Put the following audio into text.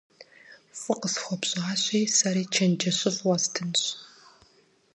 Фӏы къысхуэпщӏащи, сэри чэнджэщыфӏ уэстынщ.